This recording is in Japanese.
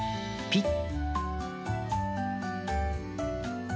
ピッ！